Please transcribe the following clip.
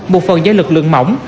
một phần do lực lượng mỏng